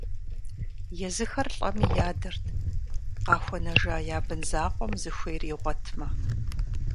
Езыхэр лӀэми ядэрт, къахуэнэжа я бын закъуэм зыхуейр игъуэтмэ.